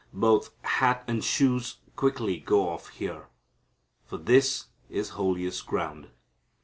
Both hat and shoes quickly go off here, for this is holiest ground.